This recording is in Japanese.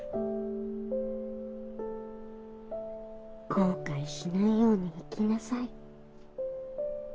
後悔しないように生きなさい。